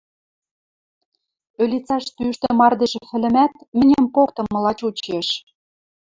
Ӧлицӓштӹ ӱштӹ мардеж ӹфӹлӹмӓт мӹньӹм поктымыла чучеш.